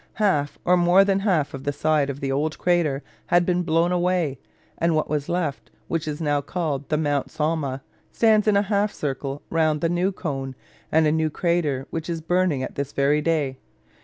Half or more than half of the side of the old crater had been blown away, and what was left, which is now called the Monte Somma, stands in a half circle round the new cone and new crater which is burning at this very day.